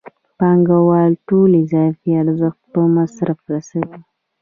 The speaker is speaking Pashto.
پانګوال ټول اضافي ارزښت په مصرف رسوي